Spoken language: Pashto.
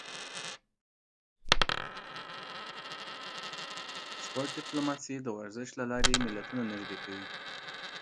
سپورت ډیپلوماسي د ورزش له لارې ملتونه نږدې کوي